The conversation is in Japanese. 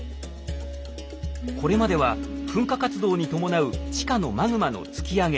これまでは噴火活動に伴う地下のマグマの突き上げ